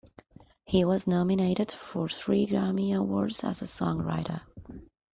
He was nominated for three Grammy Awards as a songwriter.